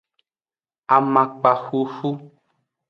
Amakpa xuxu.